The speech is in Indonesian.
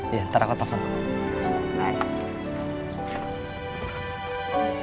iya ntar aku telepon kamu